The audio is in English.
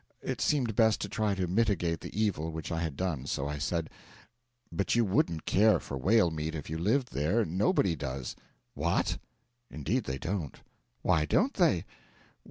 It seemed best to try to mitigate the evil which I had done, so I said: 'But you wouldn't care for whale meat if you lived there. Nobody does.' 'What!' 'Indeed they don't.' 'Why don't they?'